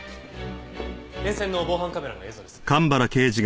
沿線の防犯カメラの映像です。